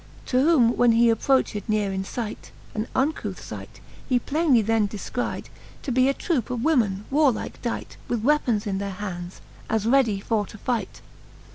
* To whom when he approched neare in light, (An uncouth fight) he plainely then defcride To be a troupe of women warlike dight, With weapons in their hands, as ready for to fight.